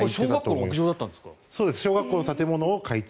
これは小学校の屋上だったんですか？